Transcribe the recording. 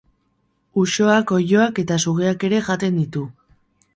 Usoak, oiloak eta sugeak ere jaten ditu.